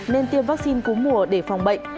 nên tiêm vaccine cúm mùa để phòng bệnh